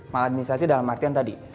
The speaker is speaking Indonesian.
maladministrasi dalam artian tadi